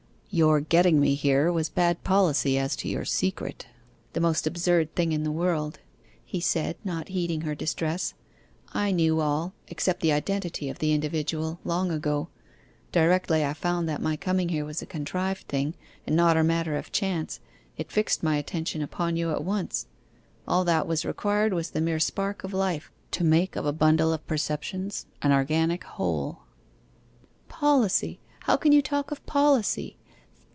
'Your getting me here was bad policy as to your secret the most absurd thing in the world,' he said, not heeding her distress. 'I knew all, except the identity of the individual, long ago. Directly I found that my coming here was a contrived thing, and not a matter of chance, it fixed my attention upon you at once. All that was required was the mere spark of life, to make of a bundle of perceptions an organic whole.' 'Policy, how can you talk of policy?